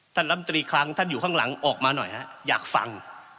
ลำตรีคลังท่านอยู่ข้างหลังออกมาหน่อยฮะอยากฟัง